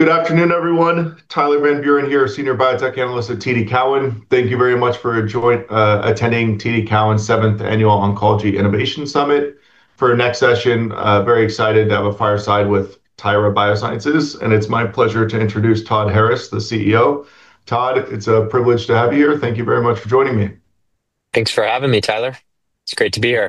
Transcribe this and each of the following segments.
Good afternoon, everyone. Tyler Van Buren here, Senior Biotech Analyst at TD Cowen. Thank you very much for attending TD Cowen's seventh annual Oncology Innovation Summit. For our next session, very excited to have a fireside with Tyra Biosciences, and it's my pleasure to introduce Todd Harris, the CEO. Todd, it's a privilege to have you here. Thank you very much for joining me. Thanks for having me, Tyler. It's great to be here.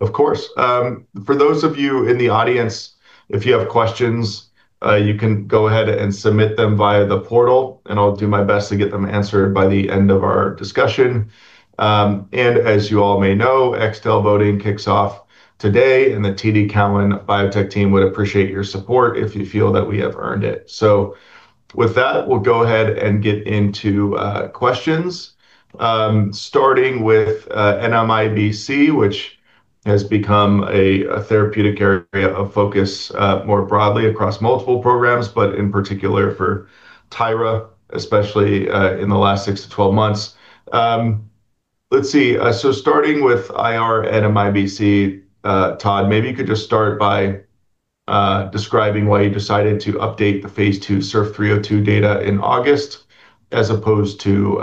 Of course. For those of you in the audience, if you have questions, you can go ahead and submit them via the portal, and I'll do my best to get them answered by the end of our discussion. As you all may know, Extel voting kicks off today, and the TD Cowen Biotech team would appreciate your support if you feel that we have earned it. With that, we'll go ahead and get into questions, starting with NMIBC, which has become a therapeutic area of focus more broadly across multiple programs, but in particular for Tyra, especially in the last six to 12 months. Let's see. Starting with IR NMIBC, Todd, maybe you could just start by describing why you decided to update the phase II SURF302 data in August as opposed to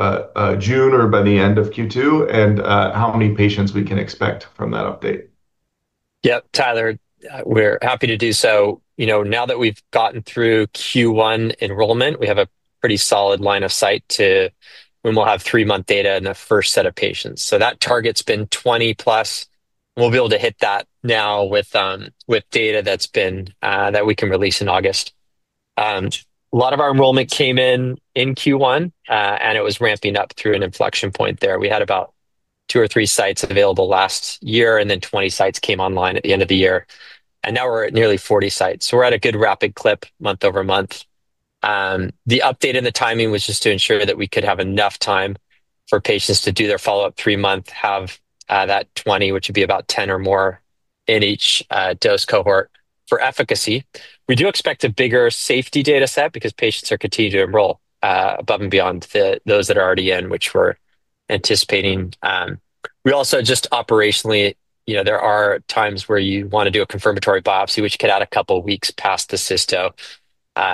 June or by the end of Q2, and how many patients we can expect from that update? Yep, Tyler, we're happy to do so. Now that we've gotten through Q1 enrollment, we have a pretty solid line of sight to when we'll have three-month data in the first set of patients. That target's been 20+. We'll be able to hit that now with data that we can release in August. A lot of our enrollment came in in Q1, and it was ramping up through an inflection point there. We had about two or three sites available last year, and then 20 sites came online at the end of the year, and now we're at nearly 40 sites. We're at a good rapid clip month-over-month. The update and the timing was just to ensure that we could have enough time for patients to do their follow-up three-month, have that 20, which would be about 10 or more in each dose cohort for efficacy. We do expect a bigger safety data set because patients are continuing to enroll above and beyond those that are already in, which we're anticipating. We also just operationally, there are times where you want to do a confirmatory biopsy, which could add a couple of weeks past the cysto.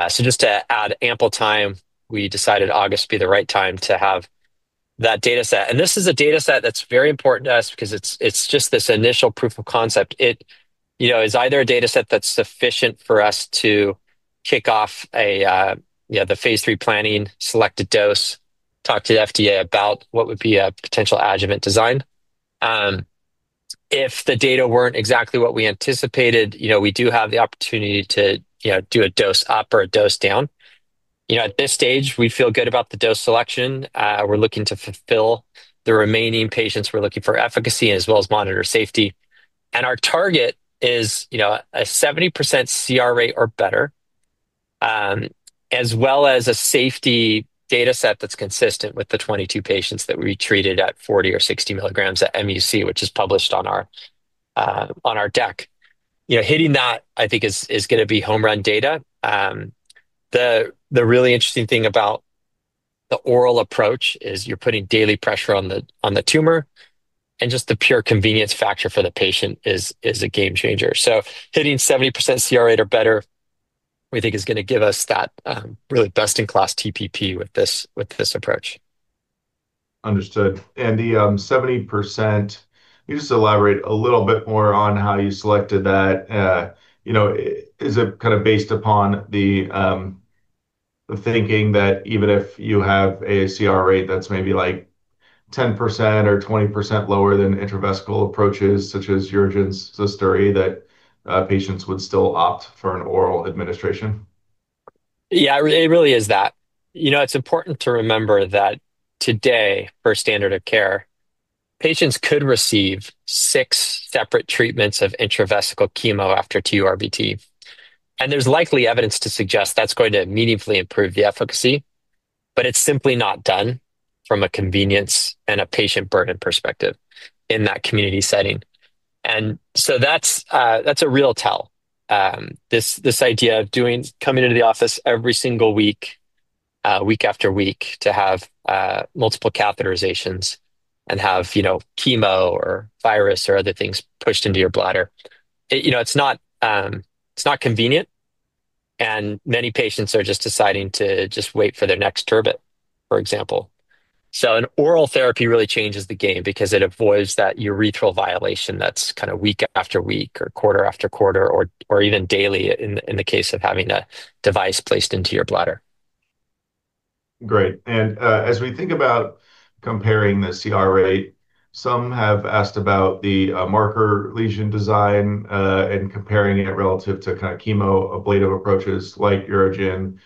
Just to add ample time, we decided August would be the right time to have that data set. This is a data set that's very important to us because it's just this initial proof of concept. It's either a data set that's sufficient for us to kick off the phase III planning, select a dose, talk to the FDA about what would be a potential adjuvant design. If the data weren't exactly what we anticipated, we do have the opportunity to do a dose up or a dose down. At this stage, we feel good about the dose selection. We're looking to fulfill the remaining patients. We're looking for efficacy as well as monitor safety. Our target is a 70% CR rate or better, as well as a safety data set that's consistent with the 22 patients that we treated at 40 or 60 milligrams at MUC, which is published on our deck. Hitting that, I think, is going to be home run data. The really interesting thing about the oral approach is you're putting daily pressure on the tumor, and just the pure convenience factor for the patient is a game changer. Hitting 70% CR rate or better, we think is going to give us that really best-in-class TPP with this approach. Understood. The 70%, can you just elaborate a little bit more on how you selected that? Is it kind of based upon the thinking that even if you have a CR rate that's maybe 10% or 20% lower than intravesical approaches, such as UroGen's ZUSDURI, that patients would still opt for an oral administration? Yeah, it really is that. It's important to remember that today, for standard of care, patients could receive six separate treatments of intravesical chemo after TURBT. There's likely evidence to suggest that's going to meaningfully improve the efficacy, but it's simply not done from a convenience and a patient burden perspective in that community setting. That's a real tell. This idea of coming into the office every single week after week, to have multiple catheterizations and have chemo or virus or other things pushed into your bladder. It's not convenient, and many patients are just deciding to just wait for their next TURBT, for example. An oral therapy really changes the game because it avoids that urethral violation that's kind of week after week or quarter after quarter or even daily in the case of having a device placed into your bladder. Great. As we think about comparing the CR rate, some have asked about the marker lesion design and comparing it relative to kind of chemoablative approaches like UroGen,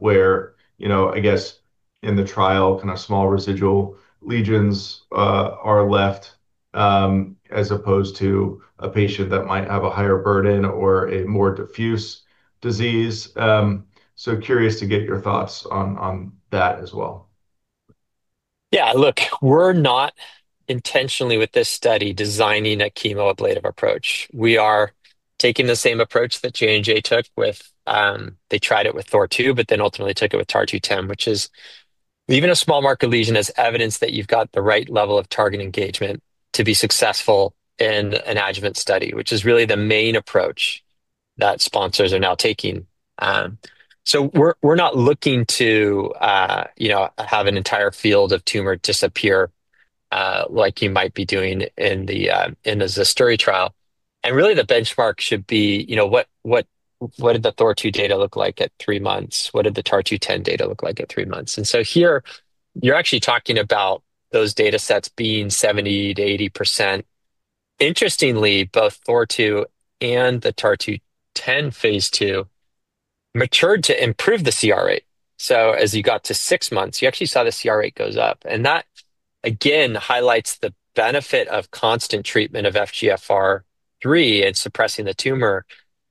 where, I guess, in the trial, small residual lesions are left, as opposed to a patient that might have a higher burden or a more diffuse disease. Curious to get your thoughts on that as well. We are not intentionally with this study designing a chemoablative approach. We are taking the same approach that J&J took with. They tried it with THOR-2, but then ultimately took it with TAR-210. Even a small marked lesion is evidence that you've got the right level of target engagement to be successful in an adjuvant study, which is really the main approach that sponsors are now taking. We are not looking to have an entire field of tumor disappear, like you might be doing in the ZUSDURI trial. Really, the benchmark should be, what did the THOR-2 data look like at three months? What did the TAR-210 data look like at three months? Here you're actually talking about those data sets being 70%-80%. Interestingly, both THOR-2 and the TAR-210 phase II matured to improve the CR rate. As you got to six months, you actually saw the CR rate goes up. That, again, highlights the benefit of constant treatment of FGFR3 in suppressing the tumor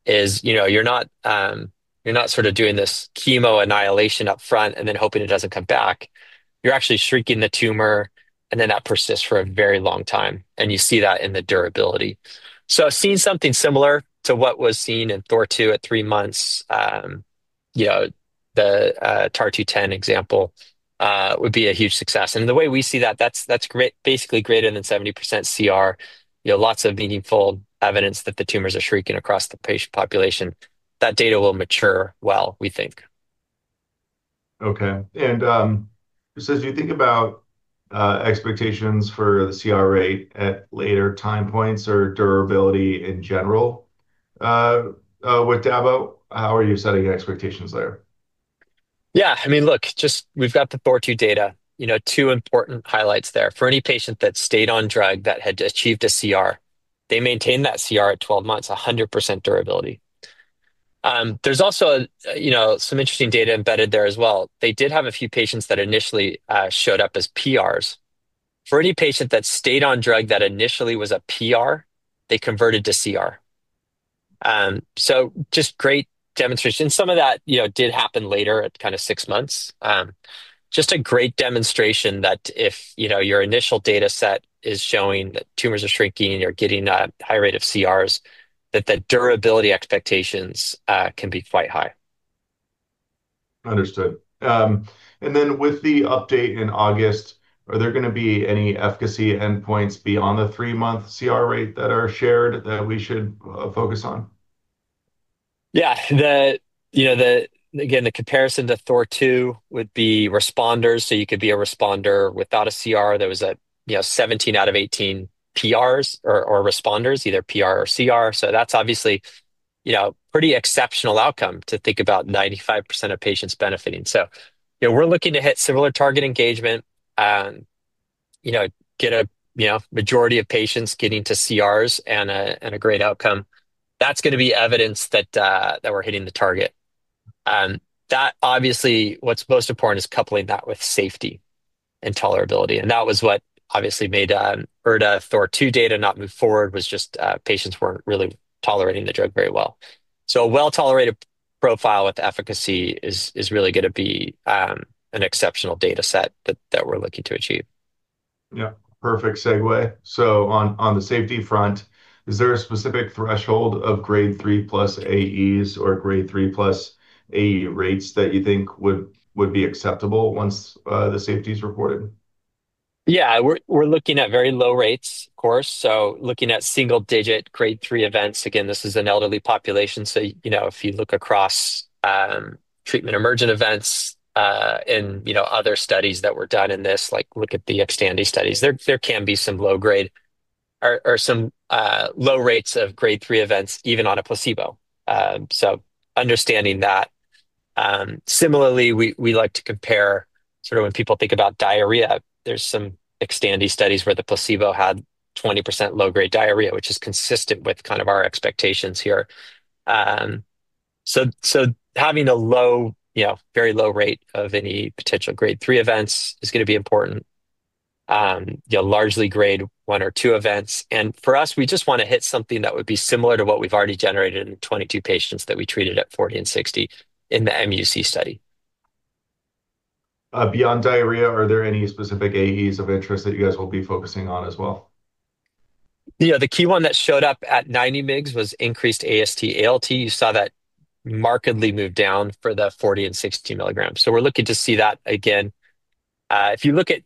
is you're not sort of doing this chemoannihilation up front and then hoping it doesn't come back. You're actually shrinking the tumor, and then that persists for a very long time, and you see that in the durability. Seeing something similar to what was seen in THOR-2 at three months, the TAR-210 example, would be a huge success. The way we see that's basically greater than 70% CR. Lots of meaningful evidence that the tumors are shrinking across the patient population. That data will mature well, we think. Okay. As you think about expectations for the CR rate at later time points or durability in general, with TYRA-300, how are you setting your expectations there? I mean, we've got the THOR-2 data. Two important highlights there. For any patient that stayed on drug that had achieved a CR, they maintained that CR at 12 months, 100% durability. There's also some interesting data embedded there as well. They did have a few patients that initially showed up as PRs. For any patient that stayed on drug that initially was a PR, they converted to CR. Just great demonstration. Some of that did happen later at six months. Just a great demonstration that if your initial data set is showing that tumors are shrinking and you're getting a high rate of CRs, that the durability expectations can be quite high. Understood. With the update in August, are there going to be any efficacy endpoints beyond the three-month CR rate that are shared that we should focus on? Again, the comparison to THOR-2 would be responders. You could be a responder without a CR. There was 17 out of 18 PRs or responders, either PR or CR. That's obviously a pretty exceptional outcome to think about 95% of patients benefiting. We're looking to hit similar target engagement, get a majority of patients getting to CRs and a great outcome. That's going to be evidence that we're hitting the target. Obviously, what's most important is coupling that with safety and tolerability, and that was what obviously made erdafitinib THOR-2 data not move forward, was just patients weren't really tolerating the drug very well. A well-tolerated profile with efficacy is really going to be an exceptional data set that we're looking to achieve. Yeah. Perfect segue. On the safety front, is there a specific threshold of Grade 3+ AEs or Grade 3+ AE rates that you think would be acceptable once the safety's reported? Yeah. We're looking at very low rates, of course, so looking at single-digit Grade 3 events. Again, this is an elderly population, so if you look across treatment emergent events in other studies that were done in this, like look at the XTANDI studies, there can be some low rates of Grade 3 events even on a placebo. Understanding that. Similarly, we like to compare sort of when people think about diarrhea, there's some XTANDI studies where the placebo had 20% low-grade diarrhea, which is consistent with our expectations here. Having a very low rate of any potential Grade 3 events is going to be important. Largely Grade 1 or 2 events. For us, we just want to hit something that would be similar to what we've already generated in 22 patients that we treated at 40 and 60 in the MUC study. Beyond diarrhea, are there any specific AEs of interest that you guys will be focusing on as well? The key one that showed up at 90 mg was increased AST/ALT. You saw that markedly move down for the 40 and 60 mg. We're looking to see that again. If you look at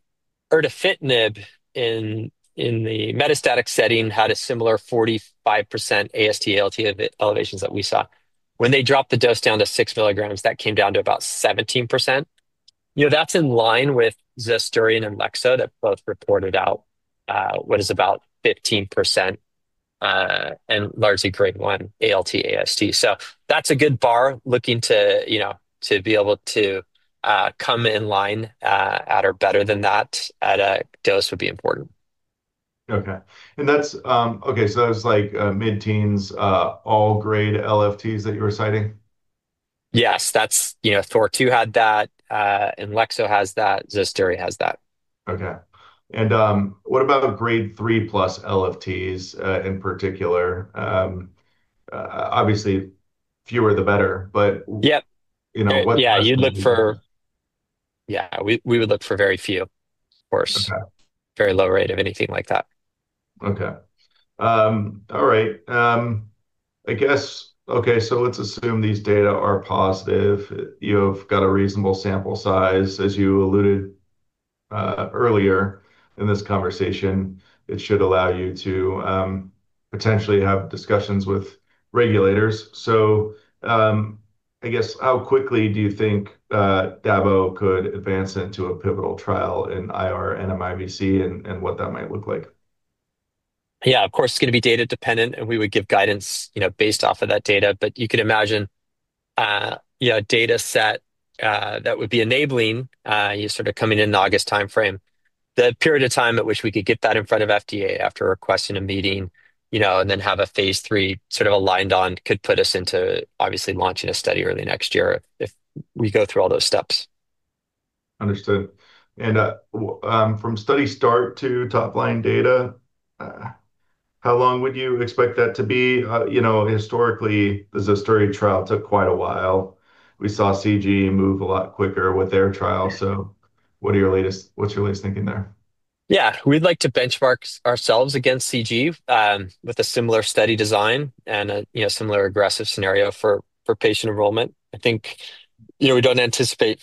erdafitinib in the metastatic setting, had a similar 45% AST/ALT elevations that we saw. When they dropped the dose down to six mg, that came down to about 17%. That's in line with ZUSDURI and INLEXZO that both reported out what is about 15% and largely Grade 1 AST/ALT. That's a good bar. Looking to be able to come in line at or better than that at a dose would be important. Okay. That was mid-teens, all grade LFTs that you were citing? Yes. THOR-2 had that, and INLEXZO has that, ZUSDURI has that. Okay. What about the Grade 3+ LFTs, in particular? Obviously, the fewer, the better. Yep. What- Yeah. We would look for very few, of course. Okay. Very low rate of anything like that. Okay. All right. Let's assume these data are positive. You've got a reasonable sample size, as you alluded earlier in this conversation. It should allow you to potentially have discussions with regulators. I guess how quickly do you think TYRA-300 could advance into a pivotal trial in IR NMIBC, and what that might look like? Yeah, of course, it's going to be data dependent, and we would give guidance based off of that data. You could imagine a data set that would be enabling, you sort of coming in the August timeframe. The period of time at which we could get that in front of FDA after requesting a meeting, and then have a phase III sort of aligned on could put us into obviously launching a study early next year if we go through all those steps. Understood. From study start to top-line data, how long would you expect that to be? Historically, the ZUSDURI trial took quite a while. We saw CG move a lot quicker with their trial. What's your latest thinking there? Yeah. We'd like to benchmark ourselves against CG, with a similar study design and a similar aggressive scenario for patient enrollment. I think we don't anticipate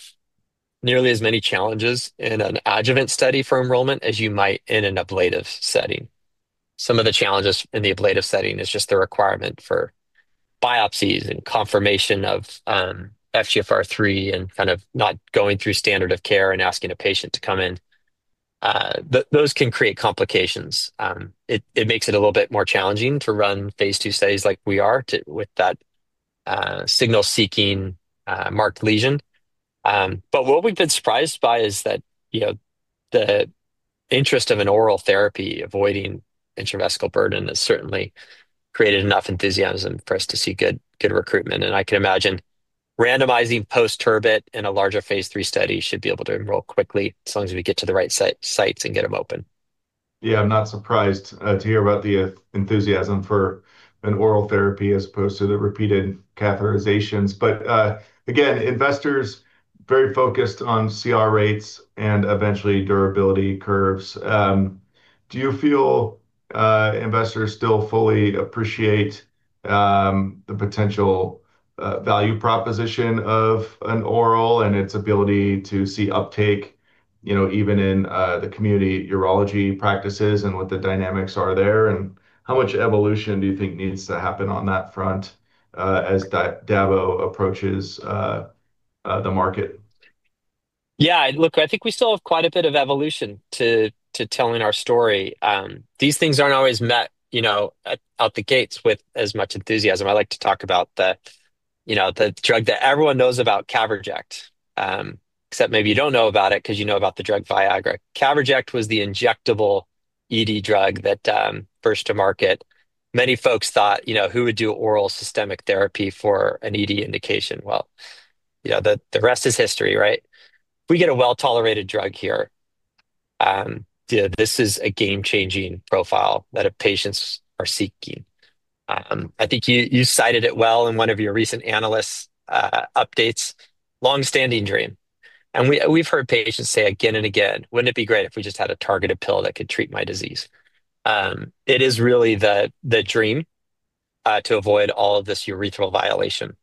nearly as many challenges in an adjuvant study for enrollment as you might in an ablative setting. Some of the challenges in the ablative setting is just the requirement for biopsies and confirmation of FGFR3 and kind of not going through standard of care and asking a patient to come in. Those can create complications. It makes it a little bit more challenging to run phase II studies like we are with that signal-seeking marked lesion. What we've been surprised by is that the interest of an oral therapy avoiding intravesical burden has certainly created enough enthusiasm for us to see good recruitment. I can imagine randomizing post TURBT in a larger phase III study should be able to enroll quickly, so as we get to the right sites and get them open. Yeah, I'm not surprised to hear about the enthusiasm for an oral therapy as opposed to the repeated catheterizations. Again, investors very focused on CR rates and eventually durability curves. Do you feel investors still fully appreciate the potential value proposition of an oral and its ability to see uptake, even in the community urology practices and what the dynamics are there? How much evolution do you think needs to happen on that front, as Davo approaches the market? Yeah, look, I think we still have quite a bit of evolution to telling our story. These things aren't always met out the gates with as much enthusiasm. I like to talk about the drug that everyone knows about, CAVERJECT, except maybe you don't know about it because you know about the drug VIAGRA. CAVERJECT was the injectable ED drug that first to market. Many folks thought, "Who would do oral systemic therapy for an ED indication?" Well, the rest is history, right? We get a well-tolerated drug here. This is a game-changing profile that patients are seeking. I think you cited it well in one of your recent analyst updates, longstanding dream, and we've heard patients say again and again, "Wouldn't it be great if we just had a targeted pill that could treat my disease?" It is really the dream, to avoid all of this urethral violation.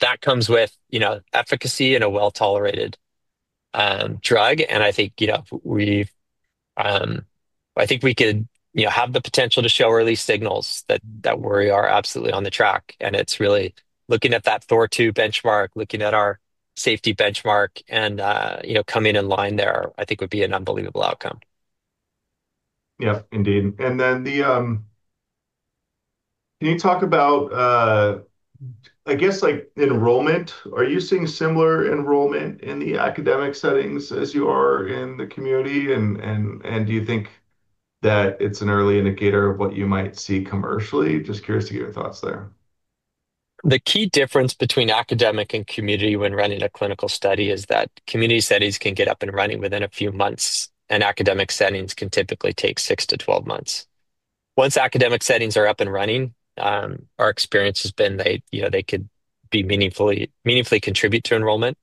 That comes with efficacy and a well-tolerated drug, and I think we could have the potential to show early signals that we are absolutely on the track. It's really looking at that THOR-2 benchmark, looking at our safety benchmark, and coming in line there, I think would be an unbelievable outcome. Yeah, indeed. Can you talk about, I guess like enrollment, are you seeing similar enrollment in the academic settings as you are in the community? Do you think that it's an early indicator of what you might see commercially? Just curious to get your thoughts there. The key difference between academic and community when running a clinical study is that community studies can get up and running within a few months. Academic settings can typically take six-12 months. Once academic settings are up and running, our experience has been they could meaningfully contribute to enrollment.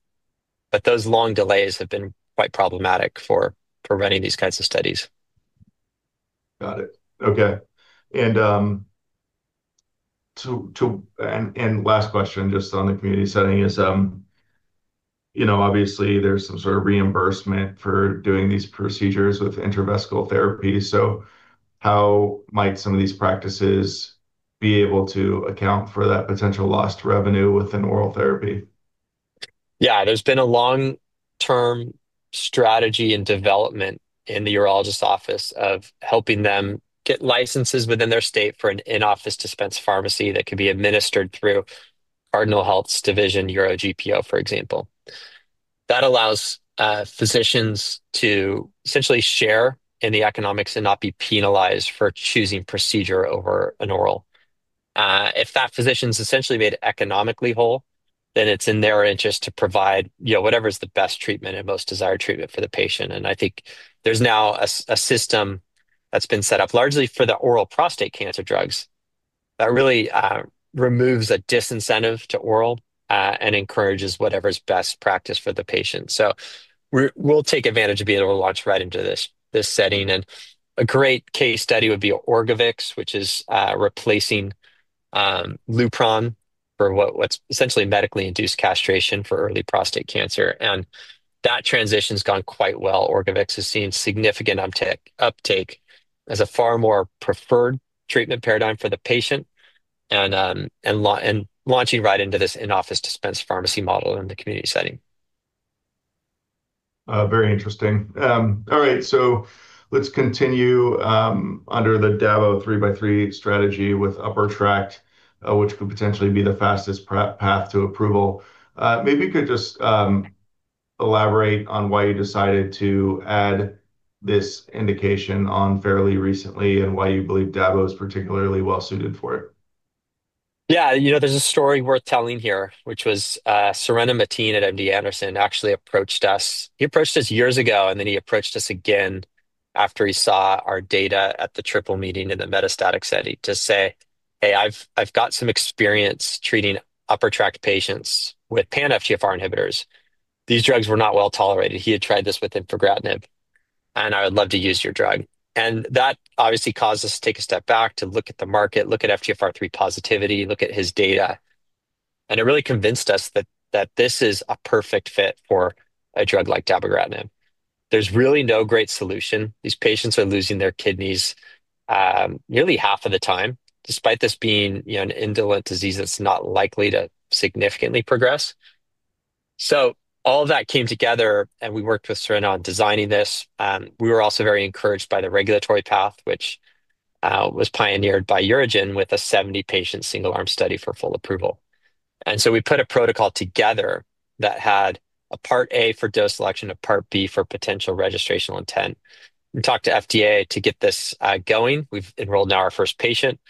Those long delays have been quite problematic for running these kinds of studies. Got it. Okay. Last question just on the community setting is, obviously there's some sort of reimbursement for doing these procedures with intravesical therapy. How might some of these practices be able to account for that potential lost revenue with an oral therapy? Yeah, there's been a long-term strategy and development in the urologist office of helping them get licenses within their state for an in-office dispense pharmacy that can be administered through Cardinal Health's division, UroGPO, for example. That allows physicians to essentially share in the economics and not be penalized for choosing procedure over an oral. If that physician's essentially made economically whole, then it's in their interest to provide whatever is the best treatment and most desired treatment for the patient. I think there's now a system that's been set up largely for the oral prostate cancer drugs. That really removes a disincentive to oral and encourages whatever's best practice for the patient. We'll take advantage of being able to launch right into this setting, and a great case study would be ORGOVYX, which is replacing Lupron for what's essentially medically induced castration for early prostate cancer. That transition's gone quite well. ORGOVYX has seen significant uptake as a far more preferred treatment paradigm for the patient, and launching right into this in-office dispense pharmacy model in the community setting. Very interesting. All right, let's continue under the Davo three-by-three strategy with upper tract, which could potentially be the fastest path to approval. Maybe you could just elaborate on why you decided to add this indication on fairly recently, and why you believe Davo is particularly well-suited for it. Yeah. There's a story worth telling here, which was Surena Matin at MD Anderson actually approached us. He approached us years ago, and then he approached us again after he saw our data at the triple meeting in the metastatic setting to say, "Hey, I've got some experience treating upper tract patients with pan-FGFR inhibitors. These drugs were not well-tolerated." He had tried this with infigratinib, "I would love to use your drug." That obviously caused us to take a step back to look at the market, look at FGFR3 positivity, look at his data, and it really convinced us that this is a perfect fit for a drug like dabogratinib. There's really no great solution. These patients are losing their kidneys nearly half of the time, despite this being an indolent disease that's not likely to significantly progress. All of that came together, and we worked with Surena on designing this. We were also very encouraged by the regulatory path, which was pioneered by UroGen with a 70-patient single-arm study for full approval. We put a protocol together that had a Part A for dose selection, a Part B for potential registrational intent. We talked to FDA to get this going. We've enrolled now our first patient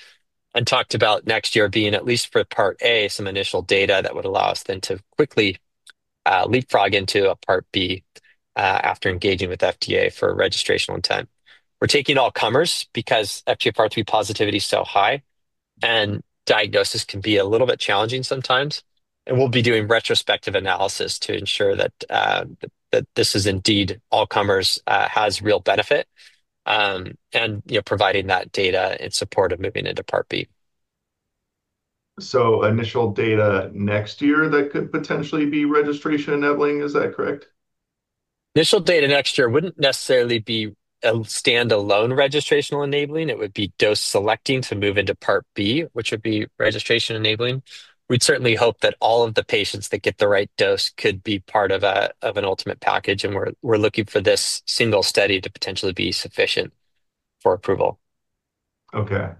and talked about next year being, at least for Part A, some initial data that would allow us then to quickly leapfrog into a Part B after engaging with FDA for registrational intent. We're taking all comers because FGFR3 positivity is so high, and diagnosis can be a little bit challenging sometimes. We'll be doing retrospective analysis to ensure that this is indeed all comers has real benefit, and providing that data in support of moving into Part B. Initial data next year that could potentially be registration enabling. Is that correct? Initial data next year wouldn't necessarily be a standalone registrational enabling. It would be dose selecting to move into Part B, which would be registration enabling. We'd certainly hope that all of the patients that get the right dose could be part of an ultimate package, and we're looking for this single study to potentially be sufficient for approval. Okay.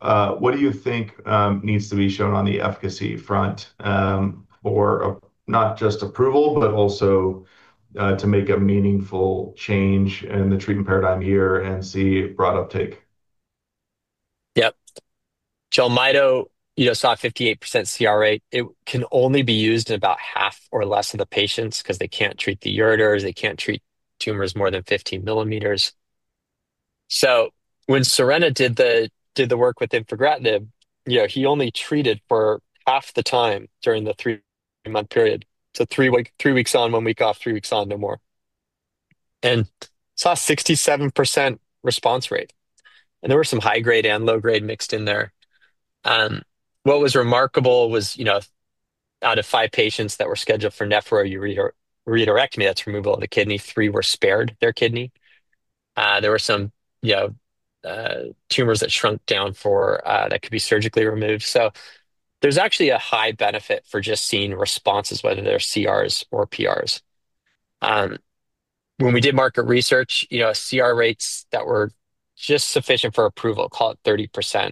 What do you think needs to be shown on the efficacy front for not just approval, but also to make a meaningful change in the treatment paradigm here and see broad uptake? Yep. JELMYTO saw a 58% CR rate. It can only be used in about half or less of the patients because they can't treat the ureters, they can't treat tumors more than 15 millimeters. When Surena did the work with infigratinib, he only treated for half the time during the three-month period. Three weeks on, one week off, three weeks on, no more. Saw a 67% response rate, and there were some high-grade and low-grade mixed in there. What was remarkable was out of five patients that were scheduled for nephroureterectomy, that's removal of the kidney, three were spared their kidney. There were some tumors that shrunk down that could be surgically removed. There's actually a high benefit for just seeing responses, whether they're CRs or PRs. When we did market research, CR rates that were just sufficient for approval, call it 30%,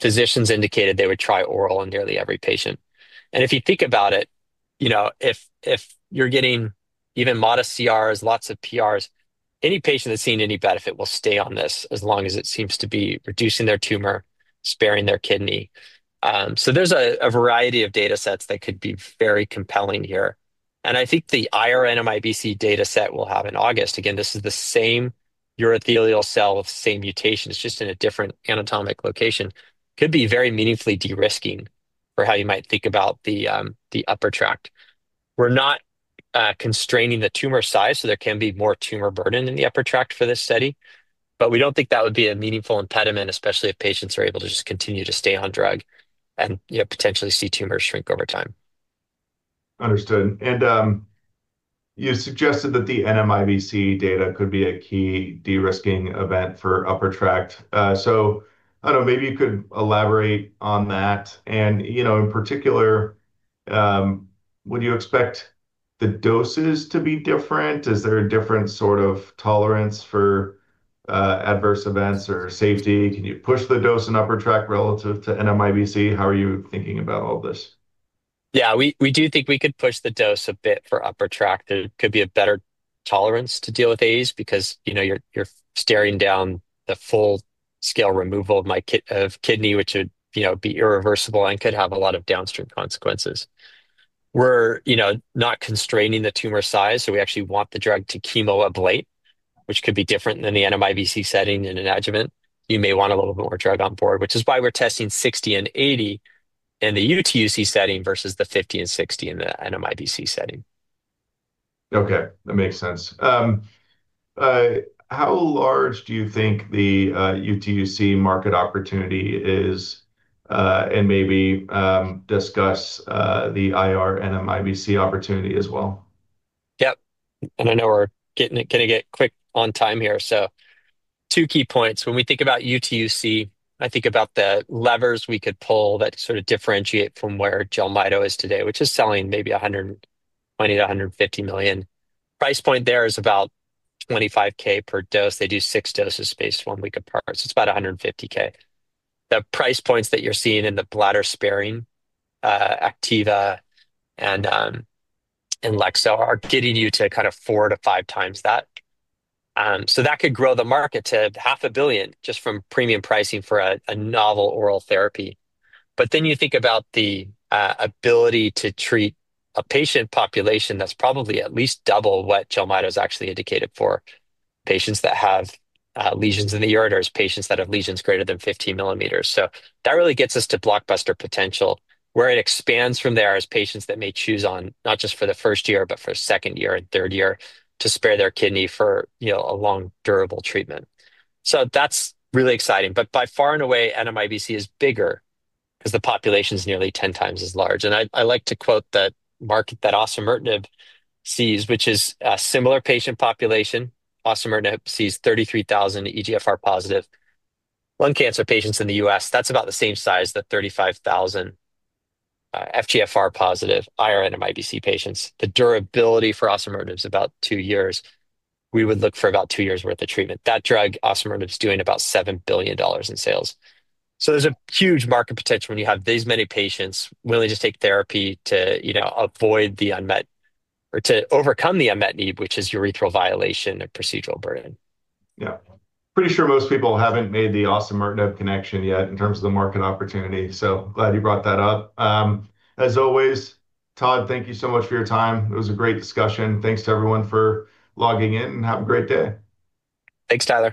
physicians indicated they would try oral in nearly every patient. If you think about it, if you're getting even modest CRs, lots of PRs, any patient that's seeing any benefit will stay on this as long as it seems to be reducing their tumor, sparing their kidney. There's a variety of data sets that could be very compelling here. I think the IR NMIBC data set we'll have in August, again, this is the same urothelial cell with the same mutation, it's just in a different anatomic location, could be very meaningfully de-risking for how you might think about the upper tract. We're not constraining the tumor size, so there can be more tumor burden in the upper tract for this study. We don't think that would be a meaningful impediment, especially if patients are able to just continue to stay on drug and potentially see tumors shrink over time. Understood. You suggested that the NMIBC data could be a key de-risking event for Upper Tract. I don't know, maybe you could elaborate on that. In particular, would you expect the doses to be different? Is there a different sort of tolerance for adverse events or safety? Can you push the dose in upper tract relative to NMIBC? How are you thinking about all this? We do think we could push the dose a bit for upper tract. There could be a better tolerance to deal with AEs because you're staring down the full-scale removal of kidney, which would be irreversible and could have a lot of downstream consequences. We're not constraining the tumor size, so we actually want the drug to chemoablate, which could be different than the NMIBC setting in an adjuvant. You may want a little bit more drug on board, which is why we're testing 60 and 80 in the UTUC setting versus the 50 and 60 in the NMIBC setting. Okay. That makes sense. How large do you think the UTUC market opportunity is? Maybe discuss the IR NMIBC opportunity as well? Yep. I know we're going to get quick on time here. Two key points. When we think about UTUC, I think about the levers we could pull that sort of differentiate from where JELMYTO is today, which is selling maybe $120 million-$150 million. Price point there is about $25,000 per dose. They do six doses spaced one week apart, so it's about $150,000. The price points that you're seeing in the bladder-sparing, Anktiva and Loxo Oncology, are getting you to kind of four to five times that. That could grow the market to half a billion just from premium pricing for a novel oral therapy. You think about the ability to treat a patient population that's probably at least double what JELMYTO is actually indicated for. Patients that have lesions in the ureters, patients that have lesions greater than 15 millimeters. That really gets us to blockbuster potential, where it expands from there as patients that may choose on, not just for the first year, but for second year and third year, to spare their kidney for a long, durable treatment. That's really exciting, but by far and away, NMIBC is bigger because the population's nearly 10 times as large. I like to quote that market that osimertinib sees, which is a similar patient population. osimertinib sees 33,000 EGFR-positive lung cancer patients in the U.S. That's about the same size, the 35,000 EGFR-positive IR NMIBC patients. The durability for osimertinib is about two years. We would look for about two years' worth of treatment. That drug, osimertinib, is doing about $7 billion in sales. There's a huge market potential when you have these many patients willing to take therapy to avoid the unmet or to overcome the unmet need, which is urethral violation and procedural burden. Yeah. Pretty sure most people haven't made the osimertinib connection yet in terms of the market opportunity. Glad you brought that up. As always, Todd, thank you so much for your time. It was a great discussion. Thanks to everyone for logging in, and have a great day. Thanks, Tyler.